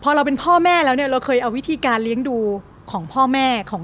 ว่ามันคือการมโนเอง